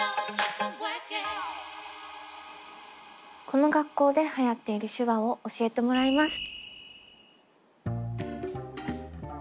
この学校ではやっている手話を教えてもらいます。